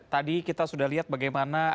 tadi kita sudah lihat bagaimana